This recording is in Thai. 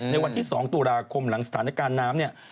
ในวันที่๒ตุลาคมหลังสถานการณ์น้ำเนี่ย